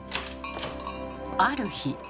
ある日。